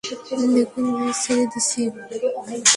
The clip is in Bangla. দেখুন, আজ ছেড়ে দিচ্ছি।